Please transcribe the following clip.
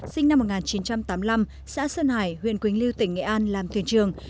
sinh năm một nghìn chín trăm tám mươi năm xã sơn hải huyện quỳnh lưu tỉnh nghệ an làm thuyền trường